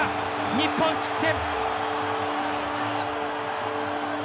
日本失点。